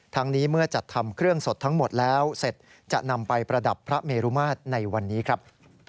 นี้เมื่อจัดทำเครื่องสดทั้งหมดแล้วเสร็จจะนำไปประดับพระเมรุมาตรในวันนี้ครับ